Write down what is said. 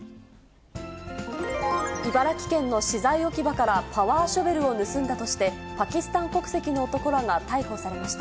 茨城県の資材置き場からパワーショベルを盗んだとして、パキスタン国籍の男らが逮捕されました。